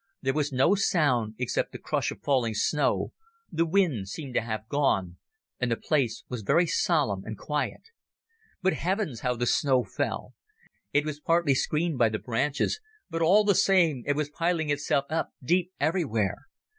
There was no sound except the crush of falling snow, the wind seemed to have gone, and the place was very solemn and quiet. But Heavens! how the snow fell! It was partly screened by the branches, but all the same it was piling itself up deep everywhere.